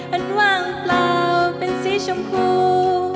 มันว่างเปล่าเป็นสีชมพู